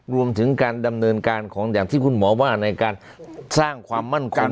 รวมถึงการดำเนินการของอย่างที่คุณหมอว่าในการสร้างความมั่นคง